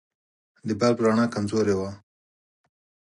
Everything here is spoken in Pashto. د بلب رڼا کمزورې وه.